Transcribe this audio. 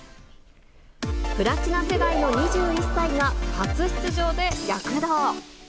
プラチナ世代の２１歳が初出場で躍動。